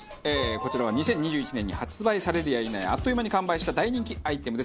こちらは２０２１年に発売されるやいなやあっという間に完売した大人気アイテムです。